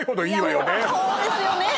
もうそうですよね